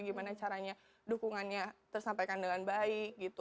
gimana caranya dukungannya tersampaikan dengan baik gitu